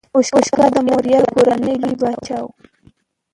اشوکا د موریا کورنۍ لوی پاچا و.